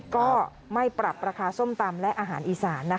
ก็ไม่ปรับราคาส้มตำและอาหารอีสาน